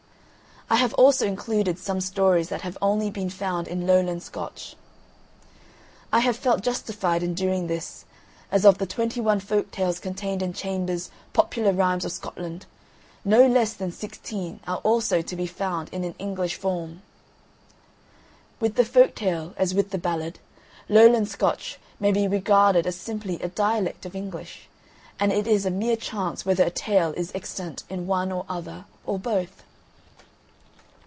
I have also included some stories that have only been found in Lowland Scotch. I have felt justified in doing this, as of the twenty one folk tales contained in Chambers' "Popular Rhymes of Scotland," no less than sixteen are also to be found in an English form. With the Folk tale as with the Ballad, Lowland Scotch may be regarded as simply a dialect of English, and it is a mere chance whether a tale is extant in one or other, or both.